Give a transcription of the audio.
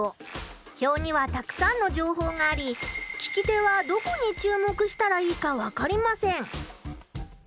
表にはたくさんのじょうほうがあり聞き手はどこに注目したらいいか分かりません。